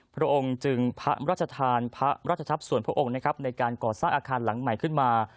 พระองค์จึงพระราชทานพระราชทัพส่วนพระองค์นะครับในการก่อสร้างอาคารหลังใหม่ขึ้นมา